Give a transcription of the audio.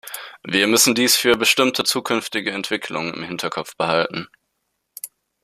Wir müssen dies für bestimmte zukünftige Entwicklungen im Hinterkopf behalten.